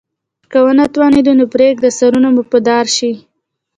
که ونه توانیدو نو پریږده سرونه مو په دار شي.